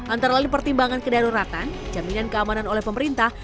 antara lain pertimbangan kedaruratan jaminan keamanan oleh pemerintah